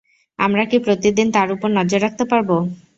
আমরা কি প্রতিদিন তার উপর নজর রাখতে পারব?